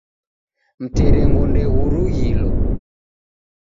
Mterengo ndeghurughilo